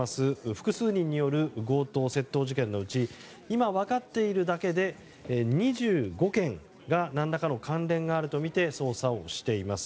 複数人による強盗・窃盗事件のうち今分かっているだけで２５件が何らかの関連があるとみて捜査をしています。